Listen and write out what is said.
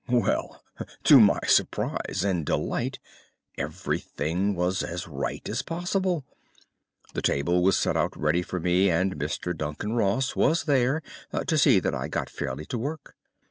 "Well, to my surprise and delight, everything was as right as possible. The table was set out ready for me, and Mr. Duncan Ross was there to see that I got fairly to work.